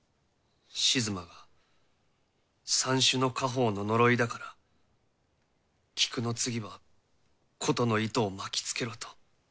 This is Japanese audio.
静馬が三種の家宝の呪いだから菊の次は琴の糸を巻きつけろと。